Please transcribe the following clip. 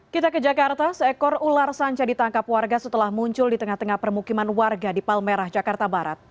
kita ke jakarta seekor ular sanca ditangkap warga setelah muncul di tengah tengah permukiman warga di palmerah jakarta barat